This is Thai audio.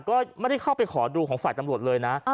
ก็ไม่ได้เข้าไปขอดูของฝ่ายตำรวจเลยนะ